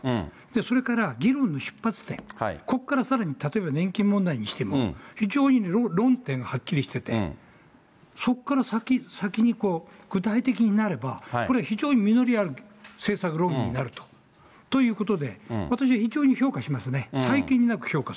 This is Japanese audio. それから議論の出発点、ここからさらに例えば年金問題にしても、非常に論点がはっきりしてて、そこから先にこう、具体的になれば、これ、非常に実りある政策論議になるということで、私は非常に評価しますね。